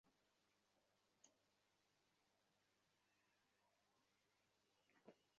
শুভসংবাদে অভিনন্দন প্রকাশ করা বন্ধুবান্ধবের কর্তব্য–তাহাই পালন করিতে গিয়াছিলাম।